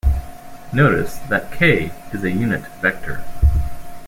Notice that k is a unit vector.